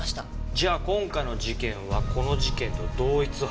じゃあ今回の事件はこの事件と同一犯？